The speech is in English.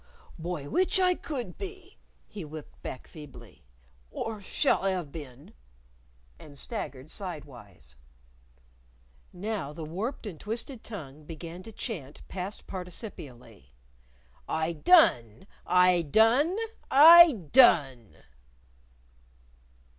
"By w'ich I could be!" he whipped back feebly; "or shall 'ave been!" And staggered sidewise. Now the warped and twisted tongue began to chant past participially: "I done! I done!! I done!!!"